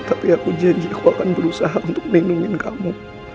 tapi aku janji aku akan berusaha untuk melindungi kamu